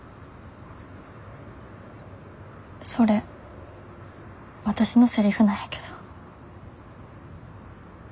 それわたしのセリフなんやけど。